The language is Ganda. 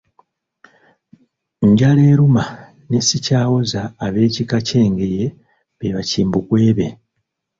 Njaleeruma ne Sikyawoza ab'ekika ky'Engeye be Bakimbugwe be.